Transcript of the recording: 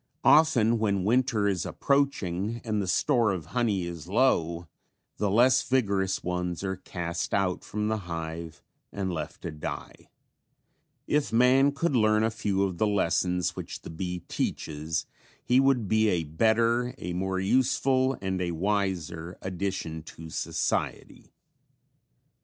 Often when winter is approaching and the store of honey is low the less vigorous ones are cast out from the hive and left to die. If man could learn a few of the lessons which the bee teaches, he would be a better, a more useful and a wiser addition to society.